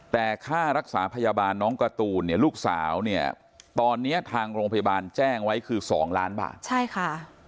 แต่ค่ารักษาพยาบาลน้องการ์ตูนเนี่ยลูกสาวเนี่ยตอนนี้ทางโรงพยาบาลแจ้งไว้คือ๒ล้านบาทใช่ค่ะ